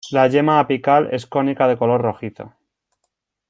La yema apical es cónica de color rojizo.